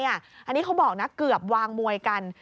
อันนี้เขาบอกนะเกือบวางมวยกัน